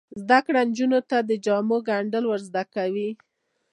زده کړه نجونو ته د جامو ګنډل ور زده کوي.